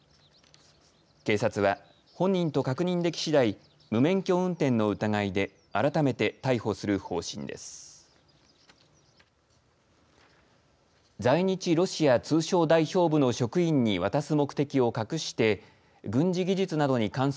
警察は本人と確認できしだい無免許運転の疑いで改めて逮捕する方針です。